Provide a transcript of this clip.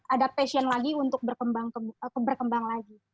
ada passion lagi untuk berkembang lagi